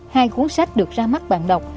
hai cuốn sách được ra mắt bạn đọc